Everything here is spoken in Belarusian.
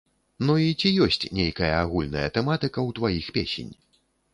Ну і ці ёсць нейкая агульная тэматыка ў тваіх песень?